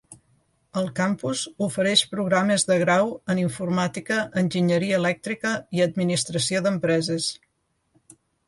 El campus ofereix programes de grau en Informàtica, Enginyeria elèctrica i Administració d'empreses.